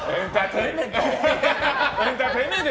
エンターテインメント！